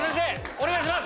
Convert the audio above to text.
お願いします。